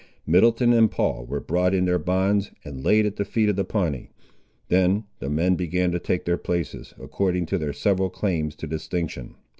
Middleton and Paul were brought in their bonds, and laid at the feet of the Pawnee; then the men began to take their places, according to their several claims to distinction.